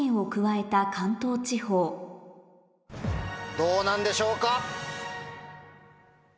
どうなんでしょうか？